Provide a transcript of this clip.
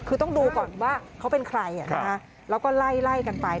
คือต้องดูก่อนว่าเขาเป็นใครแล้วก็ไล่กันไป